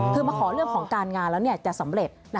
คือมาขอเรื่องของการงานแล้วจะสำเร็จ